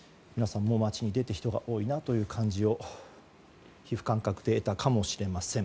皆さんも街に出て人が多いなという感じを皮膚感覚で得たかもしれません。